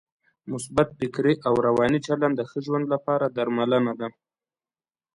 مثبت فکري او روانی چلند د ښه ژوند لپاره درملنه ده.